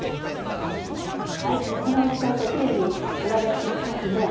皿を使うときれいに裏返せますね。